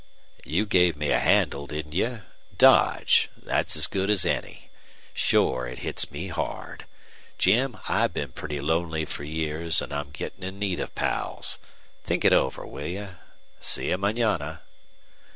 "You gave me a handle, didn't you? Dodge. Thet's as good as any. Shore it hits me hard. Jim, I've been pretty lonely for years, an' I'm gettin' in need of pals. Think it over, will you? See you manana."